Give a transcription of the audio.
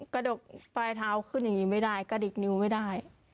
กระดกปลายเท้าขึ้นอย่างนี้ไม่ได้กระดิกนิ้วไม่ได้